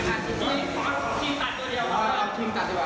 ตัดไม้ออกมาเลย